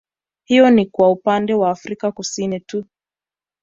Hiyo ni kwa upande wa afrika Kusini tu